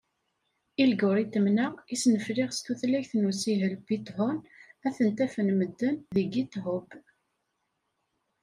Ilguritmen-a i snefliɣ s tutlayt n usihel Python, ad ten-afen medden deg Github.